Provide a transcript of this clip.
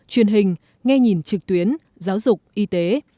truyền hình nghe nhìn trực tuyến giáo dục y tế